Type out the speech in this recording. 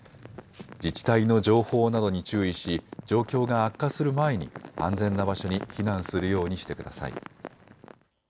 自治体の情報などに注意し状況が悪化する前に安全な場所に避難するようにしてください。